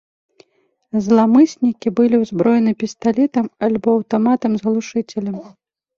Зламыснікі былі ўзброены пісталетам альбо аўтаматам з глушыцелем.